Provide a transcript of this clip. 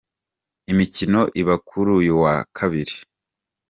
Imikino iba kuri uyu wa Kabiri:.